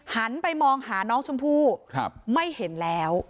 หันไปมองหาน้องชมพู่ไม่เห็นแล้ว